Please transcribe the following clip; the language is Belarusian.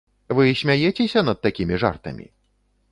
Вы смяецеся над такімі жартамі?